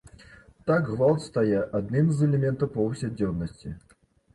Так гвалт стае адным з элементаў паўсядзённасці.